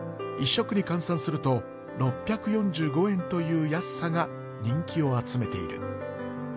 １食に換算すると６４５円という安さが人気を集めている。